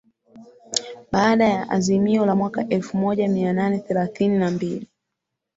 Baada ya azimio la mwaka elfu moja mia nane thelathini na mbili